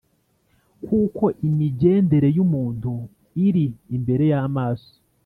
Kuko imigendere y umuntu iri imbere y amaso